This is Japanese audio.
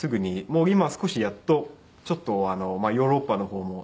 もう今少しやっとちょっとヨーロッパの方も。